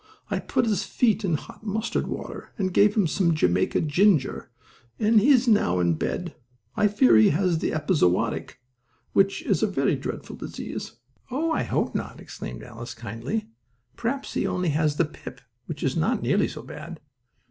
I put his feet in hot mustard water, and gave him some Jamaica ginger, and he is now in bed. I fear he has the epizootic, which is a very dreadful disease." "Oh, I hope not!" exclaimed Alice, kindly. "Perhaps he only has the pip, which is not nearly so bad."